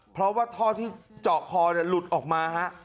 เพราะว่าท่อที่เจาะคอหลุดออกมาฮะ